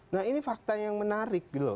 nah ini fakta yang menarik